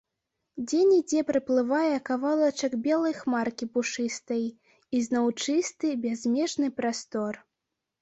Дзе-нідзе праплыве кавалачак белай хмаркі пушыстай, і зноў чысты, бязмежны прастор.